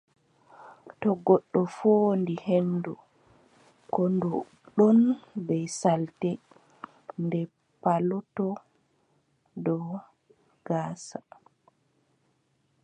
To goɗɗo fooɗi henndu, koo ndu ɗon bee salte, ɗe palotoo dow gaasa.